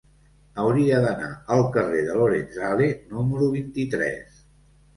Hauria d'anar al carrer de Lorenzale número vint-i-tres.